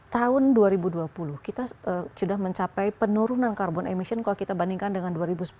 tahun dua ribu dua puluh kita sudah mencapai penurunan carbon emission kalau kita bandingkan dengan dua ribu sepuluh